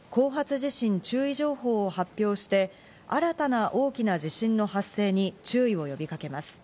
地震注意情報を発表して新たな大きな地震の発生に注意を呼びかけます。